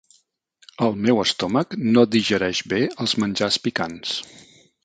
El meu estómac no digereix bé els menjars picants.